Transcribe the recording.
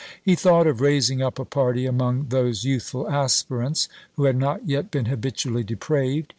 He thought of raising up a party among those youthful aspirants who had not yet been habitually depraved.